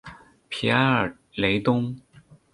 皮埃克雷东。